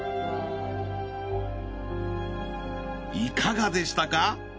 いかがでしたか？